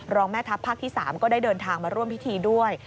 แม่ทัพภาคที่๓ก็ได้เดินทางมาร่วมพิธีด้วย